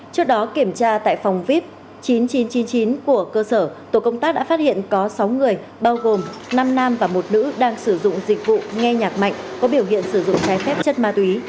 trước đó kiểm tra tại phòng vip chín nghìn chín trăm chín mươi chín của cơ sở tổ công tác đã phát hiện có sáu người bao gồm năm nam và một nữ đang sử dụng dịch vụ nghe nhạc mạnh có biểu hiện sử dụng trái phép chất ma túy